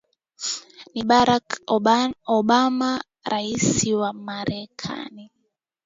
ni barack obama rais wa marekani